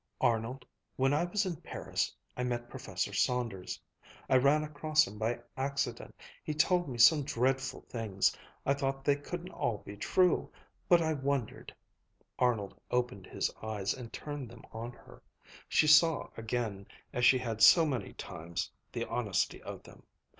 "Arnold, when I was in Paris, I met Professor Saunders. I ran across him by accident. He told me some dreadful things. I thought they couldn't all be true. But I wondered " Arnold opened his eyes and turned them on her. She saw again, as she had so many times, the honesty of them.